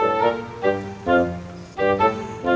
aku ada kek untuk baion